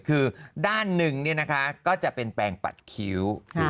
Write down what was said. คือด้านหนึ่งก็จะเป็นแปลงปัดคิ้ว